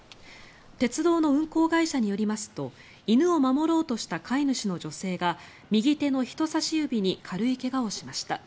鉄道の運行会社によりますと犬を守ろうとした飼い主の女性が右手の人さし指に軽い怪我をしました。